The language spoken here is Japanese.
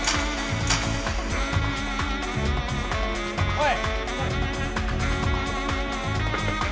おい！